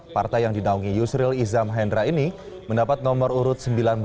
partai yang dinaungi yusril izam hendra ini mendapat nomor urut sembilan belas